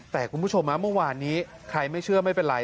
แต่คุณผู้ชมเมื่อวานนี้ใครไม่เชื่อไม่เป็นไร